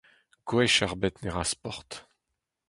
Gwech ebet ne ra sport.